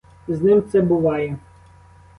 З ним це буває.